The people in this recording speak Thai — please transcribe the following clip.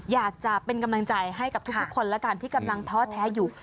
อยากจะเป็นกำลังใจให้กับทุกคนแล้วกันที่กำลังท้อแท้อยู่